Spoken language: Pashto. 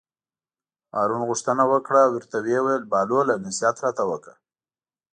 هارون غوښتنه وکړه او ورته ویې ویل: بهلوله نصیحت راته وکړه.